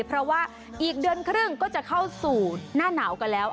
เพราะว่าอีกเดือนครึ่งก็จะเข้าสู่หน้าหนาวกันแล้ว